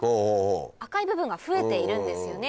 赤い部分が増えているんですよね。